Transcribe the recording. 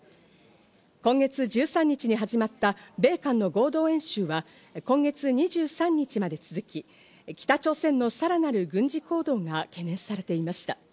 今月１３日に始まった米韓の合同演習は、今月２３日まで続き、北朝鮮のさらなる軍事行動が懸念されていました。